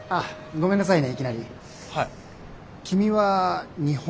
ごめんなさいね。